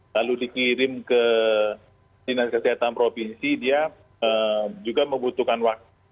lalu dikirim ke dinas kesehatan provinsi dia juga membutuhkan waktu